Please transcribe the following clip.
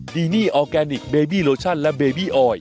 ดีนี่ออร์แกนิคเบบี้โลชั่นและเบบี้ออย